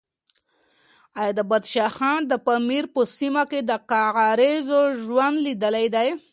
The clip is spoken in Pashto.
ایا د بدخشان د پامیر په سیمه کې د قرغیزو ژوند لیدلی دی؟